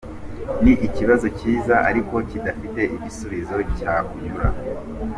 Ni ikibazo cyiza, ariko kidafitiwe igisubizo cyakunyura.